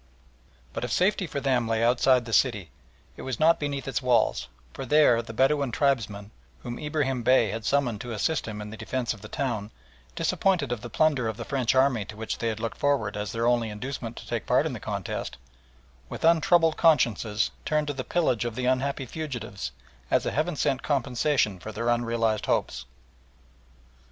But if safety for them lay outside the city, it was not beneath its walls, for there the Bedouin tribesmen, whom Ibrahim Bey had summoned to assist him in the defence of the town, disappointed of the plunder of the French army to which they had looked forward as their only inducement to take part in the contest, with untroubled consciences turned to the pillage of the unhappy fugitives as a heaven sent compensation for their unrealised hopes.